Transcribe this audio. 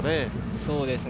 そうですね。